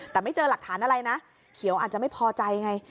แต่ไม่เจอหลักฐานอะไรนะเขียวอาจจะไม่พอใจไง